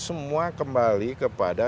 semua kembali kepada